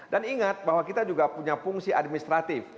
ingat bahwa kita juga punya fungsi administratif